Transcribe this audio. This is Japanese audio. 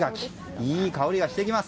いい香りがしています！